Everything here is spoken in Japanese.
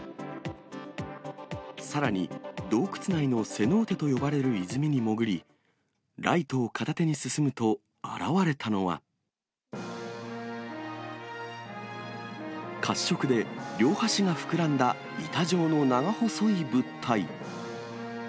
さらに、洞窟内のセノーテと呼ばれる泉に潜り、ライトを片手に進むと、現れたのは、褐色で両端が膨らんだ板状の長細い物体。